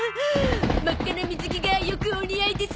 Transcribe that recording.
真っ赤な水着がよくお似合いですな。